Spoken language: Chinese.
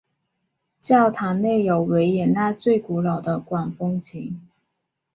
教堂内有维也纳最古老的管风琴。